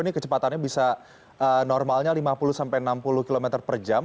ini kecepatannya bisa normalnya lima puluh sampai enam puluh km per jam